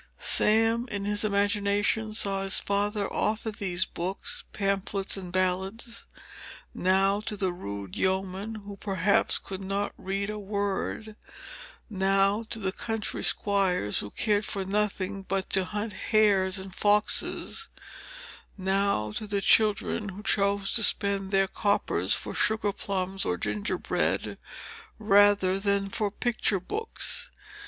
Sam, in imagination, saw his father offer these books, pamphlets, and ballads, now to the rude yeomen, who perhaps could not read a word,—now to the country squires, who cared for nothing but to hunt hares and foxes,—now to the children, who chose to spend their coppers for sugar plums or gingerbread, rather than for picture books.